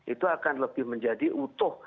itu akan lebih menjadi utuh